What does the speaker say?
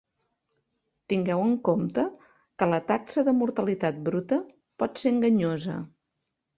Tingueu en compte que la taxa de mortalitat bruta pot ser enganyosa.